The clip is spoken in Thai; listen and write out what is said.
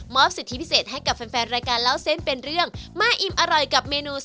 วันนี้ขอบคุณมากค่ะ